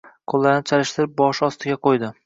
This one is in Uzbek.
Qo‘llarini chalishtirib, boshi ostiga qo‘ydi.